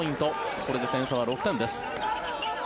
これで点差は６点です。